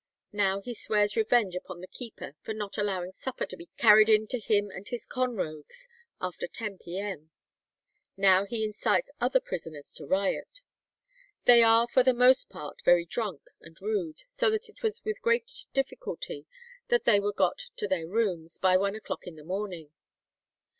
Now he swears revenge upon the keeper for not allowing supper to be carried in to him and his "conrogues" after 10 P. M.; now he incites other prisoners to riot. "They are for the most part very drunk and rude, so that it was with great difficulty that they were got to their rooms by one o'clock in the morning."